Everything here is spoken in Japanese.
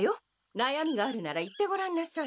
なやみがあるなら言ってごらんなさい。